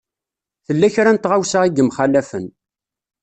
Tella kra n tɣawsa i yemxalafen.